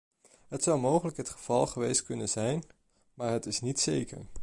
Het zou mogelijk het geval geweest kunnen zijn, maar het is niet zeker.